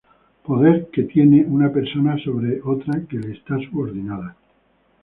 Poder que tiene una persona sobre otra que le está subordinada.